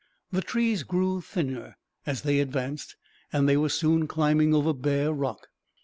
The trees grew thinner as they advanced, and they were soon climbing over bare rock.